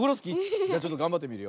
じゃちょっとがんばってみるよ。